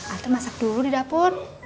atau masak dulu di dapur